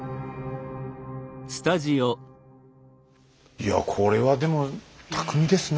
いやこれはでも巧みですね。